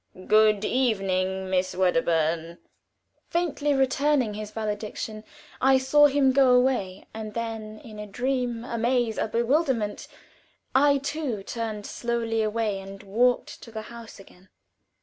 "Good evening, Miss Wedderburn." Faintly returning his valediction, I saw him go away, and then in a dream, a maze, a bewilderment, I too turned slowly away and walked to the house again.